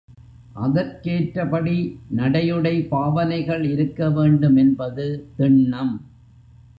அதற்கேற்றபடி நடையுடை பாவனைகள் இருக்க வேண்டும் என்பது திண்ணம்.